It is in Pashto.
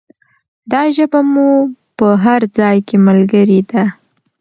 دا ژبه مو په هر ځای کې ملګرې ده.